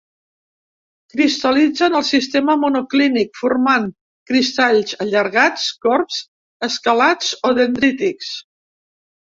Cristal·litza en el sistema monoclínic, formant cristalls allargats, corbs, escalats o dendrítics.